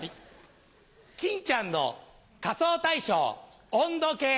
『欽ちゃんの仮装大賞』「温度計」。